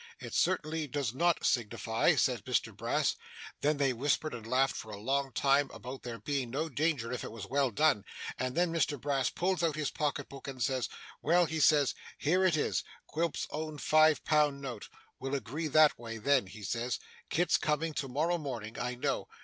"It certainly does not signify," says Mr Brass. Then they whispered and laughed for a long time about there being no danger if it was well done, and then Mr Brass pulls out his pocket book, and says, "Well," he says, "here it is Quilp's own five pound note. We'll agree that way, then," he says. "Kit's coming to morrow morning, I know.